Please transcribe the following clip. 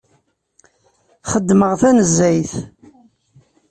Xeddmeɣ tanezzayt.